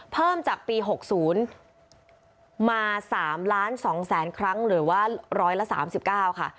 เพิ่มจากปี๖๐มา๓ล้าน๒แสนครั้งหรือว่าร้อยละ๓๙ค่ะ